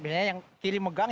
biasanya yang kiri megang